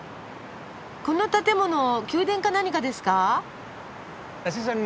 この建物宮殿か何かですか？